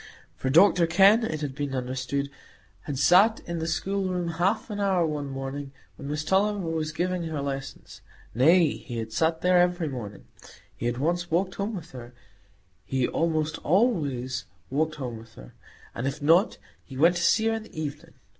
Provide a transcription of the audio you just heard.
For Dr Kenn, it had been understood, had sat in the schoolroom half an hour one morning, when Miss Tulliver was giving her lessons,—nay, he had sat there every morning; he had once walked home with her,—he almost always walked home with her,—and if not, he went to see her in the evening.